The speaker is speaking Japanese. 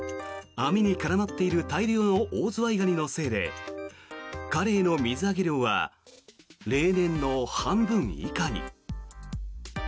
網に絡まっている大量のオオズワイガニのせいでカレイの水揚げ量は例年の半分以下に。